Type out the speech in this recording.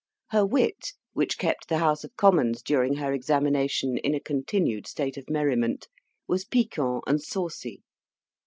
Her wit, which kept the House of Commons, during her examination, in a continued state of merriment, was piquant and saucy.